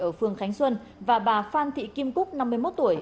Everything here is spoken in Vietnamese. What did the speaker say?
ở phường khánh xuân và bà phan thị kim cúc năm mươi một tuổi